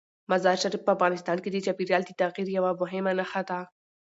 مزارشریف په افغانستان کې د چاپېریال د تغیر یوه مهمه نښه ده.